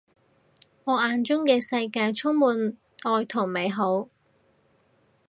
我眼中嘅世界充滿愛同美好